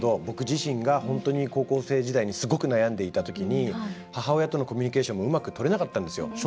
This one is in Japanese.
僕自身が本当に高校生時代にすごく悩んでいたときに母親とのコミュニケーションもうまく、とれなかったんですよ。